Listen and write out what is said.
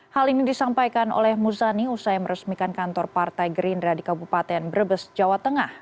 hal ini disampaikan oleh muzani usai meresmikan kantor partai gerindra di kabupaten brebes jawa tengah